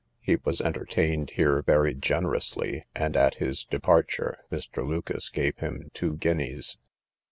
He was entertained here very generously, and at his departure Mr. Lucas gave him two guineas.